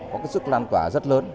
có sức lan quả rất lớn